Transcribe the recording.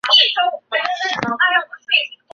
短萼素馨是木犀科素馨属的植物。